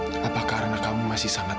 apa karena kamu masih sangat